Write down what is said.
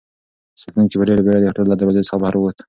ساتونکی په ډېرې بېړه د هوټل له دروازې څخه بهر ووت.